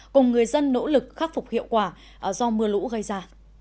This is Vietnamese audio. cùng người dân nỗ lực khắc phục hiệu quả do mưa lũ gây ra